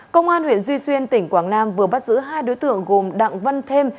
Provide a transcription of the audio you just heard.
công an huyện duy xuyên tỉnh quảng nam vừa bắt giữ hai đối tượng gồm đặng văn thêm